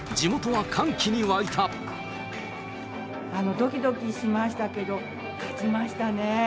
どきどきしましたけど、勝ちましたね。